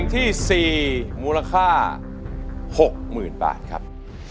ที่สี่มูลค่าหกหมื่นบาทครับ